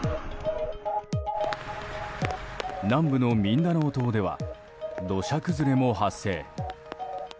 南部のミンダナオ島では土砂崩れも発生。